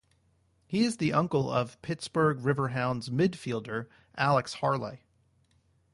He is the uncle of Pittsburgh Riverhounds midfielder Alex Harlley.